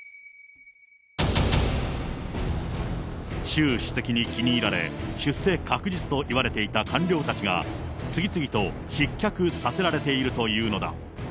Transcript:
習主席に気に入られ、出世確実といわれていた官僚たちが、次々と失脚させられているというのだ。